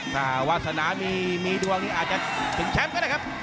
ถ้าวาสนามีดวงนี้อาจจะถึงแชมป์ก็ได้ครับ